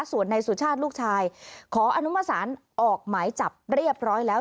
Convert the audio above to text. ส่วนนายสุชาติลูกชายขออนุมสารออกหมายจับเรียบร้อยแล้ว